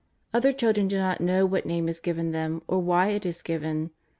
Other children do not know what name is given them or why it is given.